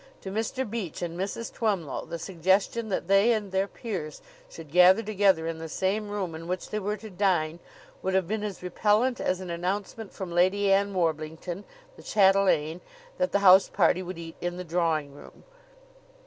To Mr. Beach and Mrs. Twemlow the suggestion that they and their peers should gather together in the same room in which they were to dine would have been as repellent as an announcement from Lady Ann Warblington, the chatelaine, that the house party would eat in the drawing room.